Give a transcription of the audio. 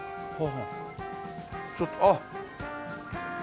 ちょっとあっ！